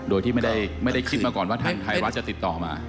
โดยที่ไม่ได้คิดมาก่อนว่าทางไทยรัฐจะติดต่อมา